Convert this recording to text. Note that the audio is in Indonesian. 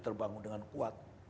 terbangun dengan kuat